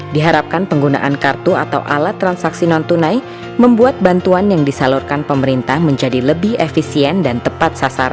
diharapkan penggunaan kartu atau alat transaksi non tunai membuat bantuan yang disalurkan pemerintah menjadi lebih efisien dan tepat sasaran